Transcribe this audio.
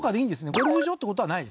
ゴルフ場ってことはないですね？